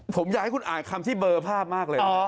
ผมอยากให้คุณอ่านคำที่เบอร์ภาพมากเลย